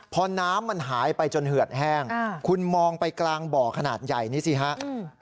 พอน้ำมันหายไปจนเหือดแห้งคุณมองไปกลางบ่อขนาดใหญ่นี่สิครับ